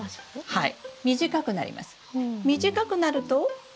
はい。